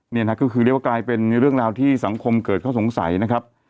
นี่นะก็คือเรียกว่ากลายเป็นเรื่องราวที่สังคมเกิดข้อสงสัยนะครับ